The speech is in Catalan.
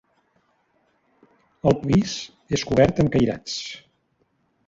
El pis és cobert amb cairats.